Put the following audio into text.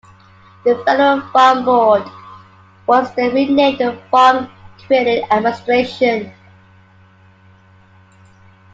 The Federal Farm Board was then renamed the Farm Credit Administration.